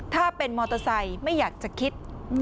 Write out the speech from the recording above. ถ้าเป็นมอเตอร์ไซค์ไม่อยากจะคิด